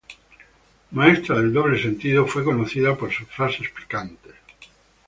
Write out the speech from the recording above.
Maestra del doble sentido, fue conocida por sus frases picantes.